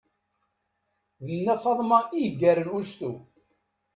D nna Faḍma i yeggaren ustu.